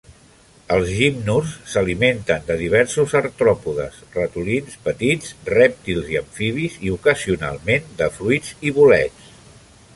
Els gimnurs s'alimenten de diversos artròpodes, ratolins, petits rèptils i amfibis, i ocasionalment de fruits i bolets.